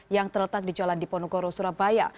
yang terletak di jalan diponegoro surabaya